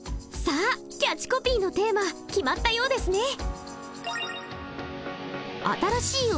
さあキャッチコピーのテーマ決まったようですね。